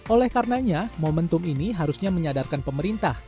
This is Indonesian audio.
oleh karenanya momentum ini harusnya menyadarkan pemerintah